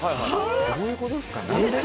どういうことですか？